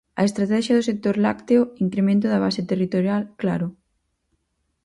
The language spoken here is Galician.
A estratexia do sector lácteo, incremento da base territorial, claro.